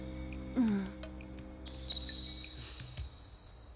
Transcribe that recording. うん？